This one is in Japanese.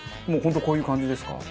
もう本当こういう感じですか？